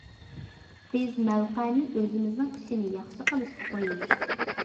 بىز مەۋقەنى ئۆزىمىزنىڭ ئىشىنى ياخشى قىلىشقا قويىمىز.